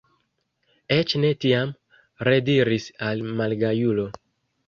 Eĉ ne tiam, rediris la malgajulo.